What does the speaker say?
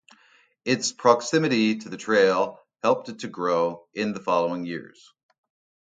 Its proximity to the trail helped it to grow in the following years.